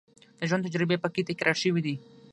د ژوند تجربې په کې تکرار شوې دي.